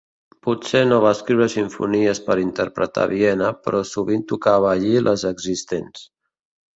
Potser no va escriure simfonies per interpretar a Viena, però sovint tocava allí les existents.